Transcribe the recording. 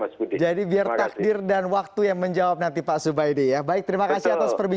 saya kira itu jawaban saya mas budi